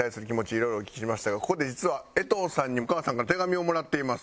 いろいろお聞きしましたがここで実は衛藤さんにお母さんから手紙をもらっています。